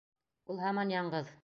Ул һаман яңғыҙ.